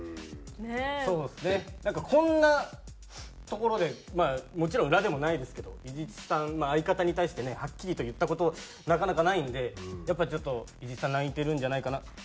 そうですねなんかこんなところでまあもちろん裏でもないですけど伊地知さん相方に対してねはっきりと言った事なかなかないんでやっぱちょっと伊地知さん泣いてるんじゃないかな？